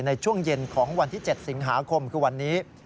ในช่วงเย็นของวันที่๗สิงหาคมคือวันนี้